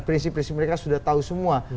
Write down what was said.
prinsip prinsip mereka sudah tahu semua